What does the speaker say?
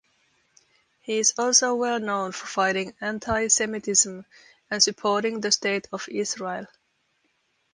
He is also well known for fighting anti-Semitism and supporting the state of Israel.